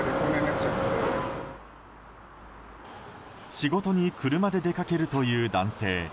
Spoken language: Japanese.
仕事に車で出かけるという男性。